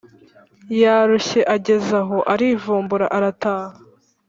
yarushye ageza aho arivumbura arataha